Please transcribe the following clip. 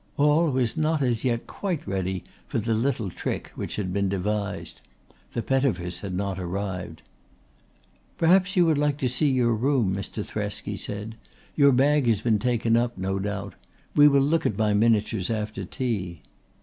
All was not as yet quite ready for the little trick which had been devised. The Pettifers had not arrived. "Perhaps you would like to see your room, Mr. Thresk," he said. "Your bag has been taken up, no doubt. We will look at my miniatures after tea."